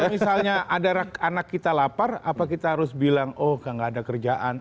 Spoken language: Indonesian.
kalau misalnya ada anak kita lapar apa kita harus bilang oh nggak ada kerjaan